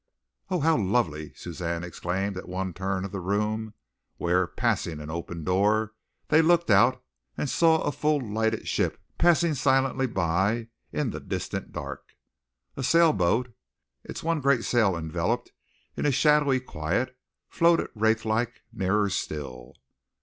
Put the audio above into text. "Oh, how lovely!" Suzanne exclaimed at one turn of the room, where, passing an open door, they looked out and saw a full lighted ship passing silently by in the distant dark. A sail boat; its one great sail enveloped in a shadowy quiet, floated wraith like, nearer still.